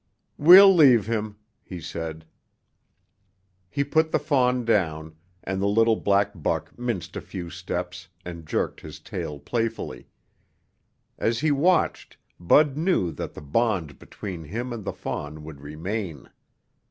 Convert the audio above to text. "We'll leave him," he said. He put the fawn down, and the little black buck minced a few steps and jerked his tail playfully. As he watched, Bud knew that the bond between him and the fawn would remain.